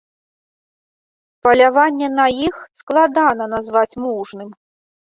Паляванне на іх складана назваць мужным.